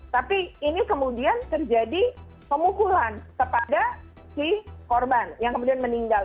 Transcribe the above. tapi ini kemudian terjadi pemukulan kepada si korban yang kemudian meninggal